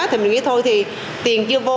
thì mình nghĩ thôi thì tiền chưa vô